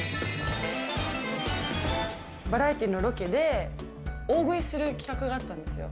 バラエティーのロケで、大食いする企画があったんですよ。